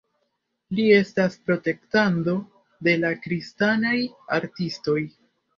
Li estas protektanto de la kristanaj artistoj.